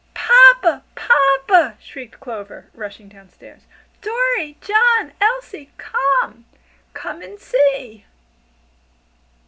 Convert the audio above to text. "Papa! papa!" shrieked Clover, rushing down stairs. "Dorry, John, Elsie come! Come and see!"